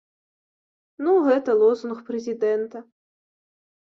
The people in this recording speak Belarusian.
Ну, гэта лозунг прэзідэнта.